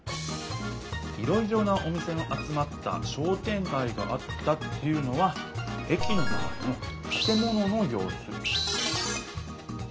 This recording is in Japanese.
「いろいろなお店の集まった『商店がい』があった」っていうのは駅のまわりのたて物のようす。